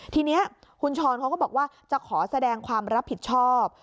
ทีนี้คุณช้อนเขาก็บอกว่าจะขอแสดงความรับผิดชอบ